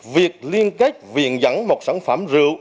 việc liên kết viện dẫn một sản phẩm rượu